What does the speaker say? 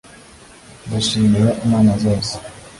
Ndashimira imana zose